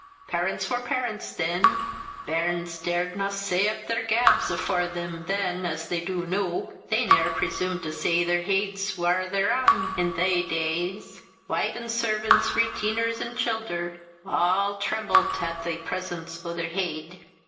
Paurents war paurents then; bairnes dardna set up their gabs afore them than as they du noo. They ne'er presumed to say their heeds war their ain i' thae days wife an' servants, reteeners an' childer, aw trummelt i' the presence o' their heed."